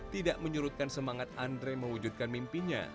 tidak menyurutkan semangat andre mewujudkan mimpinya